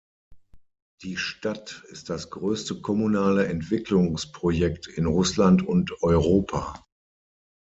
Die Stadt ist das größte kommunale Entwicklungsprojekt in Russland und Europa.